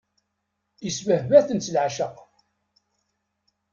Isbehba-tent leεceq.